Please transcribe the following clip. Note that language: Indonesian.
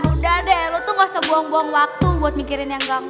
udah deh lo tuh gak usah buang buang waktu buat mikirin yang engga engga